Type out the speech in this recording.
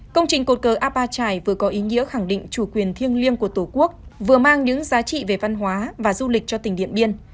công trình cột cờ apa trải vừa có ý nghĩa khẳng định chủ quyền thiêng liêng của tổ quốc vừa mang những giá trị về văn hóa và du lịch cho tỉnh điện biên